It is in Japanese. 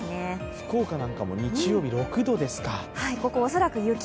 福岡なんかも日曜日、６度ですか。